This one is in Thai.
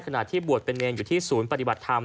ที่บวชเป็นเนรอยู่ที่ศูนย์ปฏิบัติธรรม